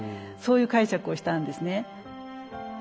そういう解釈をしたんですね。